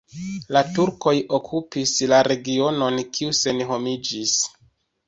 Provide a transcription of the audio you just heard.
La turkoj okupis la regionon, kiu senhomiĝis.